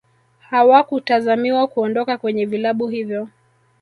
hawakutazamiwa kuondoka kwenye vilabu hivyo